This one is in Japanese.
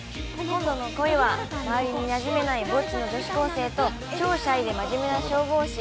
今度の恋は、周りになじめないぼっちの女子高生と、超シャイで真面目な消防士。